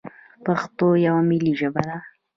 پښتو یوه ملي ژبه ده.